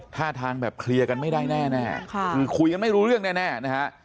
ท่าทางแบบเคลียร์กันไม่ได้แน่คือคุยกันไม่รู้เรื่องแน่นะฮะ